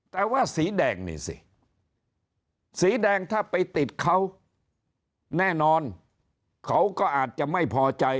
แต่ว่าสีแดงนี่สิสีแดงถ้าไปติดเขาแน่นอนเขาก็อาจจะไม่พอใจ